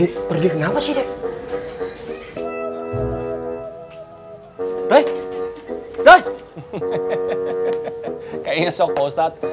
sepertinya nyatanya lupa pak ustadz